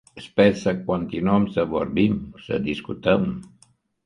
Sper să continuăm să vorbim, să discutăm.